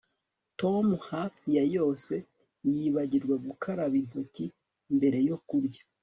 Tom hafi ya yose yibagirwa gukaraba intoki mbere yo kurya